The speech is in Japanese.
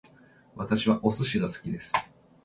私はお寿司が好きです